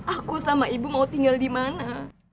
aku sama ibu mau tinggal di mana